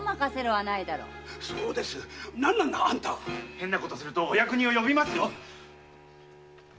変なことするとお役人を呼びますよ！